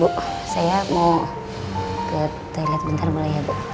bu saya mau ke toilet bentar mulai ya bu